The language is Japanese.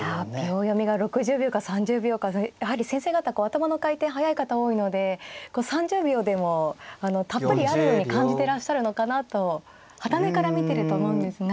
秒読みが６０秒か３０秒かやはり先生方頭の回転速い方多いので３０秒でもたっぷりあるように感じてらっしゃるのかなとはた目から見てると思うんですが。